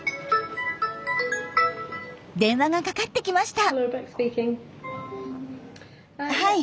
電話がかかってきました。